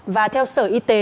và theo sở y tế